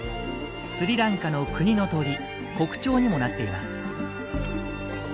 スリランカの国の鳥国鳥にもなっています。